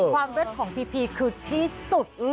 เลิศของพีพีคือที่สุด